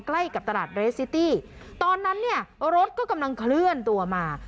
ใกล้กับตลาดเรสซิตี้ตอนนั้นเนี่ยรถก็กำลังเคลื่อนตัวมา